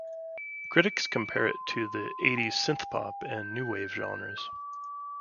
Critics compared it to the eighties synthpop and new wave genres.